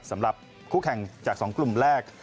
สำหรับคู่แข่งจาก๒กลุ่มแรก